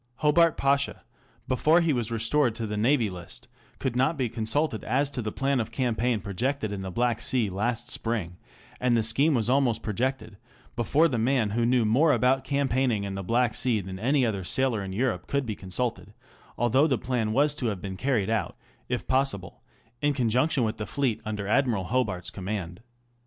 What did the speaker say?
Hobart Pasha, before he was restored to the Navy List, could not be consulted as to the plan of campaign projected in the Black Sea last spring, and the scheme was almost projected before the man who knew more about campaigning in the Black Sea than any other sailor in Europe could be consulted, although the plan was to have been carried out, if possible, in conjunction with the fleet under Admiral Hobart's command.